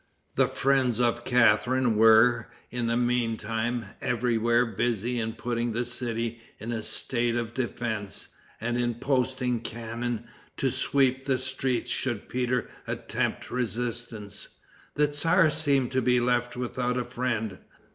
The friends of Catharine were, in the meantime, everywhere busy in putting the city in a state of defense, and in posting cannon to sweep the streets should Peter attempt resistance. The tzar seemed to be left without a friend.